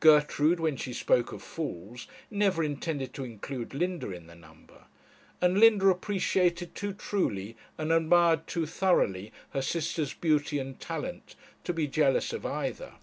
Gertrude, when she spoke of fools, never intended to include Linda in the number; and Linda appreciated too truly, and admired too thoroughly, her sister's beauty and talent to be jealous of either.